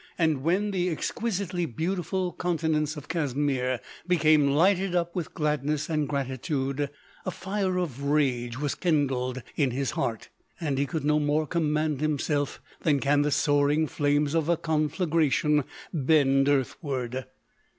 and when the exquisitely beautiful countenance of Casimir became lighted up with gladness and gratitude, a fire of rage was kindled in his heart, and he could no more command himself, than can the soaring flames of a conflagration bend earthward.